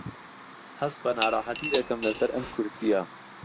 هەست بە ناڕەحەتی دەکەم لەسەر ئەم کورسییە.